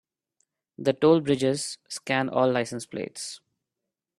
The toll bridges scan all license plates.